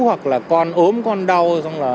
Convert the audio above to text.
hoặc là con ốm con đau